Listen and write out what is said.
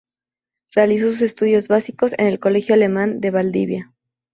Realizó sus estudios básicos en el Colegio Alemán de Valdivia.